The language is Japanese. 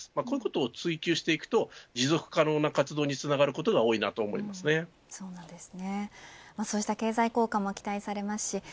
こういうことを追求していくと持続可能な活動につながることがそうした経済効果も期待されますし